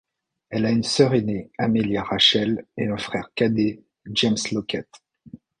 Elle a une sœur aînée, Amélia Rachel et un frère cadet, James Lockett.